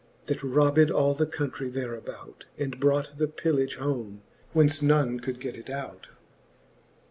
That robbed all the countrie there about, And brought the pillage home, whence none could get it out V.